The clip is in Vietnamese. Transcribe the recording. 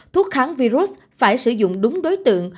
thuốc kháng virus phải sử dụng đúng đối tượng